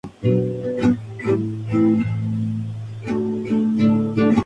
Más tarde firmó con Elite Model Management.